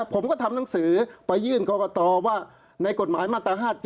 ผมก็ทำหนังสือไปยื่นกรกตว่าในกฎหมายมาตรา๕๗